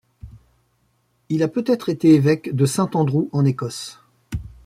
Il a peut-être été évêque de Saint Andrew, en Écosse.